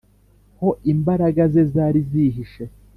ho imbaraga ze zari zihishe